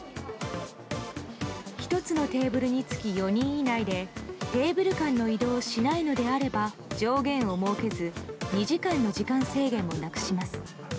１つのテーブルにつき４人以内でテーブル間の移動をしないのであれば上限を設けず２時間の時間制限もなくします。